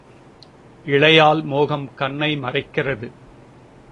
இளையாள் மோகம் கண்ணை மறைக்கிறது.